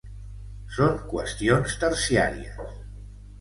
Són qüestions terciàries.